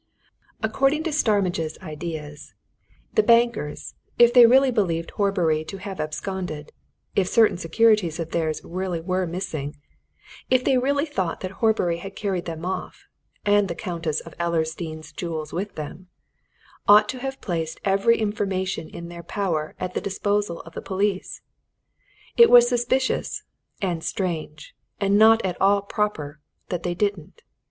According to Starmidge's ideas, the bankers, if they really believed Horbury to have absconded, if certain securities of theirs really were missing, if they really thought that Horbury had carried them off, and the Countess of Ellersdeane's jewels with him, ought to have placed every information in their power at the disposal of the police: it was suspicious, and strange, and not at all proper, that they didn't.